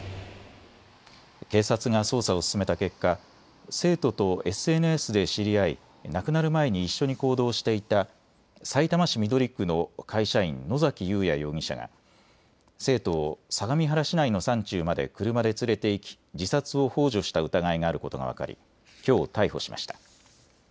警察が捜査を進めた結果、生徒とＳＮＳで知り合い亡くなる前に一緒に行動をしていたさいたま市緑区の会社員、野崎祐也容疑者が生徒を相模原市内の山中まで車で連れて行き自殺をほう助した疑いがあることが分かりきょう逮捕しました。